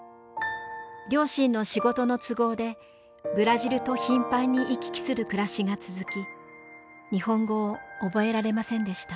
両親の仕事の都合でブラジルと頻繁に行き来する暮らしが続き日本語を覚えられませんでした。